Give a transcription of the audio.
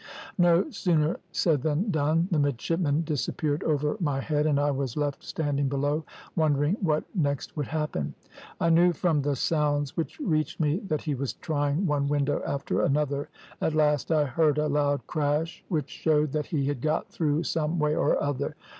No sooner said than done; the midshipman disappeared over my head, and I was left standing below wondering what next would happen. I knew from the sounds which reached me that he was trying one window after another, at last I heard a loud crash, which showed that he had got through some way or other.